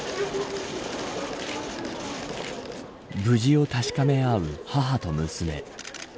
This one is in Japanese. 無事を確かめ合う母と娘。